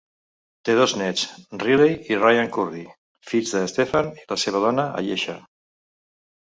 Té dos néts, Riley i Ryan Curry, fills de Stephen i la seva dona Ayesha.